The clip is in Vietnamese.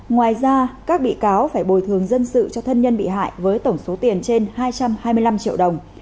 ngoài ra các bị cáo phải bồi thường dân sự cho thân nhân bị hại với tổng số tiền trên hai trăm hai mươi năm triệu đồng